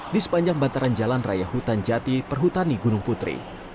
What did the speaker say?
di sepanjang bantaran jalan raya hutan jati perhutani gunung putri